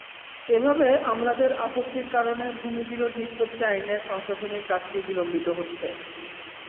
এভাবে আমলাদের আপত্তির কারণে ভূমি বিরোধ নিষ্পত্তি আইনের সংশোধনীর কাজটি বিলম্বিত হচ্ছে।